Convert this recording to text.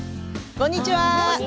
こんにちは。